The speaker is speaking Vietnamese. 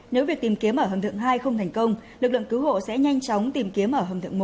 nếu việc tìm kiếm ở hầm thượng hai không thành công lực lượng cứu hộ sẽ nhanh chóng tìm kiếm ở hầm thượng một